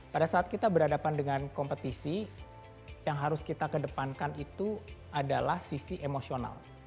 pada saat kita berhadapan dengan kompetisi yang harus kita kedepankan itu adalah sisi emosional